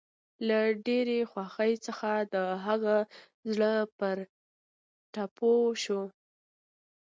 له ډېرې خوښۍ څخه د هغه زړه پر ټوپو شو